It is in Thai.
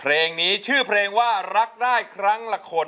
ร้องได้ให้ร้าง